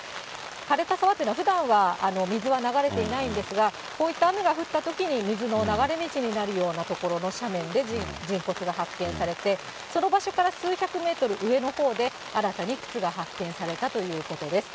かれた沢っていうのは、ふだんは水は流れていないんですが、こういった雨が降ったときに、水の流れ道になるような所の斜面で、人骨が発見されて、その場所から数百メートル上のほうで、新たに靴が発見されたということです。